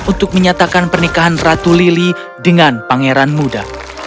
untuk menyatakan pernikahan ratu lili dengan pangeran muda